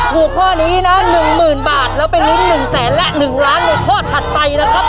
ถูกข้อนี้นะ๑๐๐๐๐บาทแล้วเป็นเงินหนึ่งแสนแหละหนึ่งล้านหรือข้อถัดไปนะครับ